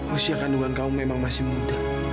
usia kandungan kaum memang masih muda